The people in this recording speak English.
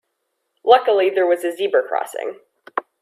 Luckily there was a zebra crossing.